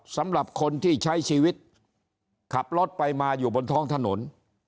สำหรับคนที่ใช้ชีวิตขับรถไปมาอยู่บนท้องถนน